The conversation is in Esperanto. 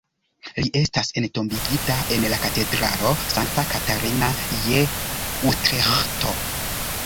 Li estas entombigita en la katedralo Sankta Katarina je Utreĥto.